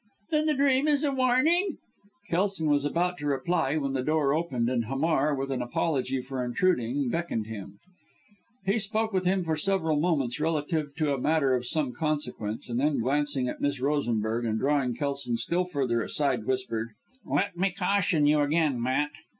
"Then the dream is a warning?" Kelson was about to reply, when the door opened, and Hamar, with an apology for intruding, beckoned to him. He spoke with him for several moments relative to a matter of some consequence, and then, glancing at Miss Rosenberg, and drawing Kelson still further aside, whispered, "Let me caution you again, Matt.